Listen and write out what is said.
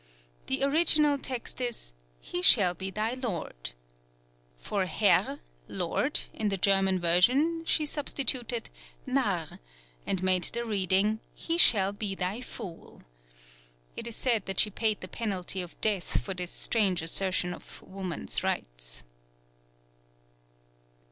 The original text is "He shall be thy lord." For Herr (lord) in the German version she substituted Narr, and made the reading, "He shall be thy fool." It is said that she paid the penalty of death for this strange assertion of "woman's rights."